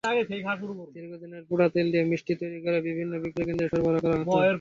দীর্ঘদিনের পোড়া তেল দিয়ে মিষ্টি তৈরি করে বিভিন্ন বিক্রয়কেন্দ্রে সরবরাহ করা হতো।